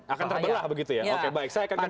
akan terbelah begitu ya oke baik saya akan ke mas faferi